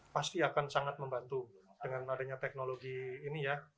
pasti akan sangat membantu dengan adanya teknologi ini ya